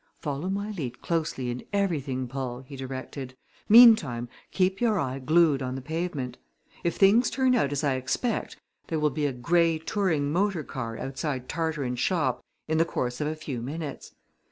"Follow my lead closely in everything, Paul!" he directed. "Meantime keep your eye glued on the pavement. If things turn out as I expect there will be a gray touring motor car outside Tarteran's shop in the course of a few minutes.